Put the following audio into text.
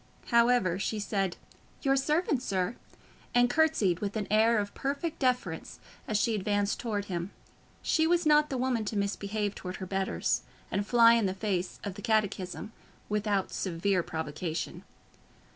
However, she said, "Your servant, sir," and curtsied with an air of perfect deference as she advanced towards him: she was not the woman to misbehave towards her betters, and fly in the face of the catechism, without severe provocation.